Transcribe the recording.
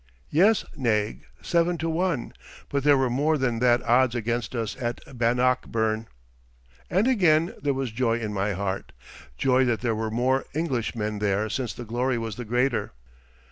"Yes, Naig, seven to one, but there were more than that odds against us at Bannockburn." And again there was joy in my heart joy that there were more English men there since the glory was the greater.